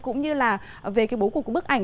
cũng như là về cái bố cục của bức ảnh